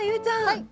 はい。